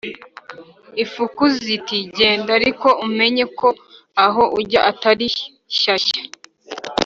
Ifuku ziti Genda ariko umenye ko aho ujya Atari shyashya